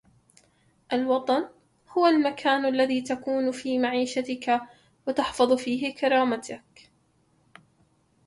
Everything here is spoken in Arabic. الوطن هو المكان الذي تكون في معيشتك و تحفظ فيه كرامتك